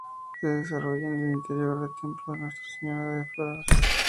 Se desarrolla en el interior del templo de Nuestra Señora de las Flores.